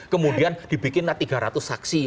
kemudian dibikinlah tiga ratus saksi